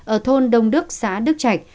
ở thôn đông đức xã đức trạch